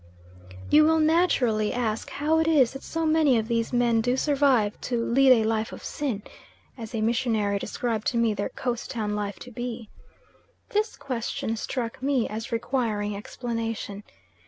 You will naturally ask how it is that so many of these men do survive "to lead a life of sin" as a missionary described to me their Coast town life to be. This question struck me as requiring explanation.